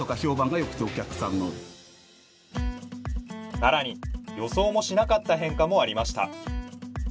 更に予想もしなかった変化もありました。